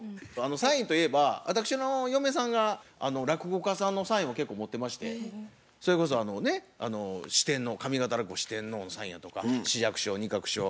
サインといえば私の嫁さんが落語家さんのサインを結構持ってましてそれこそあのね上方落語四天王のサインやとか枝雀師匠仁鶴師匠